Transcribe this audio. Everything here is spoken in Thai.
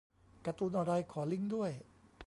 การ์ตูนอะไร ขอลิงก์ด้วย